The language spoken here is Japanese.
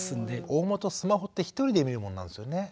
大本スマホって一人で見るもんなんですよね。